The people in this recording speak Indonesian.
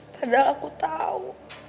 padahal aku tau